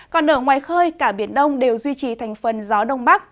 còn ở ngoài khơi cả biển đông đều duy trì thành phần gió đông bắc